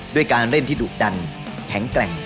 ด้วยการเล่นที่ดุดันแข็งแกร่ง